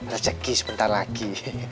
rezeki sebentar lagi